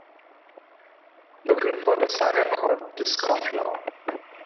Looking for the saga called The Scofflaw